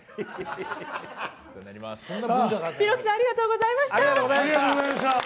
ぴろきさんありがとうございました。